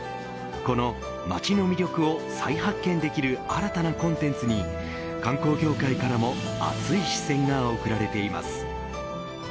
この街の魅力を再発見できる新たなコンテンツに観光協会からも熱い視線が送られています。